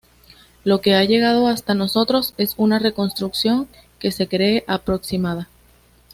Lo que ha llegado hasta nosotros es una reconstrucción que se cree aproximada.